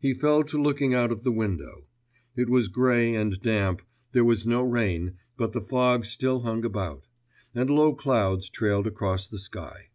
He fell to looking out of the window. It was grey and damp; there was no rain, but the fog still hung about; and low clouds trailed across the sky.